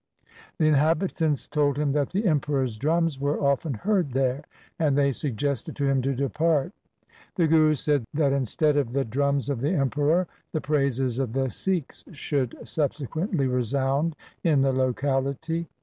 The inhabitants told him that the Emperor's drums were often heard there, and they suggested to him to de part. The Guru said that instead of the drums of the Emperor, the praises of the Sikhs should subse quently resound in the locality.